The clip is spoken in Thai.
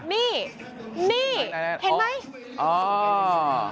นี่นี่เห็นไหม